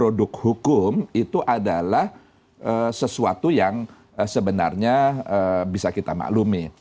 produk hukum itu adalah sesuatu yang sebenarnya bisa kita maklumi